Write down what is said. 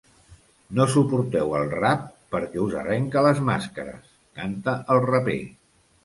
“No suporteu el rap perquè us arrenca les màscares”, canta el raper.